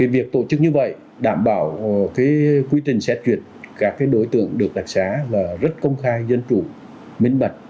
việc tổ chức như vậy đảm bảo quyết định xét truyệt các đối tượng được đặc sá là rất công khai dân chủ minh mặt